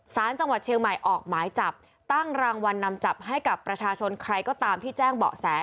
สารจังหวัดเชียงใหม่ออกหมายจับตั้งรางวัลนำจับให้กับประชาชนใครก็ตามที่แจ้งเบาะแส